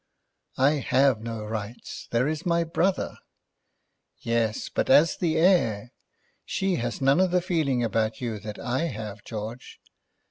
"I have no rights. There is my brother." "Yes; but as the heir. She has none of the feeling about you that I have, George."